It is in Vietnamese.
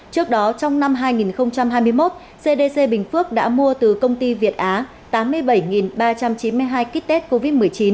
trước đó trong năm hai nghìn hai mươi một cdc bình phước đã mua từ công ty việt á tám mươi bảy ba trăm chín mươi hai kit test covid một mươi chín